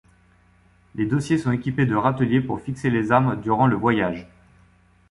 Les dossiers sont équipés de râteliers pour fixer les armes durant le voyage.